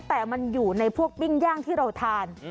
แต่มันอยู่ในพวกปิ้งย่างที่เราทาน